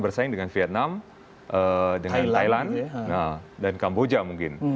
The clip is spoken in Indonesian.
bersaing dengan vietnam dengan thailand dan kamboja mungkin